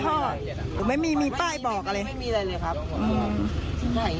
หรือมันไม่มีมีป้ายบอกอะไร